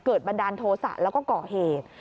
บันดาลโทษะแล้วก็ก่อเหตุ